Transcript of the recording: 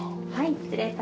失礼いたします。